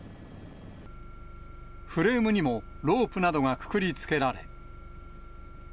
フレームにもロープなどがくくりつけられ。